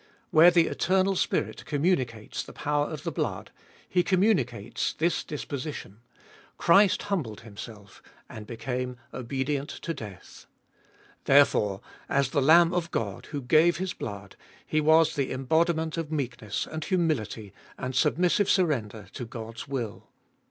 Where the Eternal Spirit communicates the power of the blood, He communicates this disposition. ibolfest of BH 305 Christ humbled Himself and became obedient to death. There fore^ as the Lamb of God, who gave His blood, He was the embodiment of meekness, and humility, and submissive surrender to God's will.